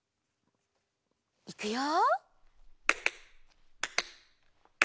いくよ。